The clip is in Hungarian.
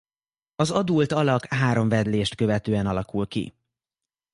Az adult alak három vedlést követően alakul ki.